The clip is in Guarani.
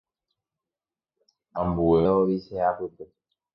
Ambuéva ovichea pype.